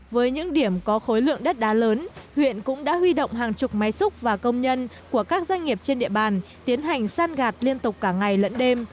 với những điểm có khối lượng đất đá lớn huyện cũng đã huy động hàng chục máy xúc và công nhân của các doanh nghiệp trên địa bàn tiến hành san gạt liên tục cả ngày lẫn đêm